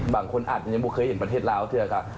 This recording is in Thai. บางคนอาจจะยังไม่เคยเห็นประเทศลาวที่ราคา